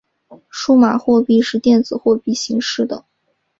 数码货币是电子货币形式的。